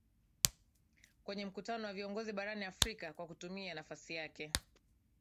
kwenye mkutano wa viongozi barani afrika kwa kutumia nafasi yake